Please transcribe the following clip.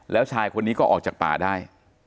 แล้วชายคนนี้ก็ออกจากป่าได้